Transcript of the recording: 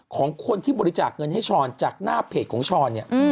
ของคนที่บริจาคเงินให้ช้อนจากหน้าเพจของช้อนเนี่ย